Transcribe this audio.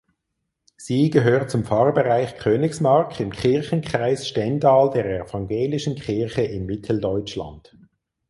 Sie gehört zum Pfarrbereich Königsmark im Kirchenkreis Stendal der Evangelischen Kirche in Mitteldeutschland.